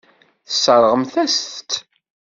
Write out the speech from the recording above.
Tesseṛɣemt-as-tt.